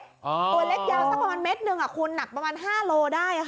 ตัวเล็กยาวสักประมาณเม็ดหนึ่งคุณหนักประมาณ๕โลได้